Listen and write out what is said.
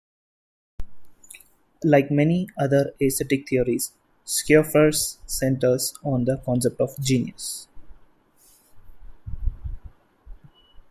Like many other aesthetic theories, Schopenhauer's centers on the concept of genius.